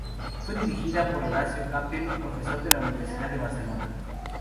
Fue dirigida por Horacio Capel, profesor de la Universidad de Barcelona.